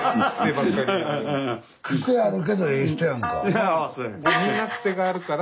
クセあるけどええ人やんか。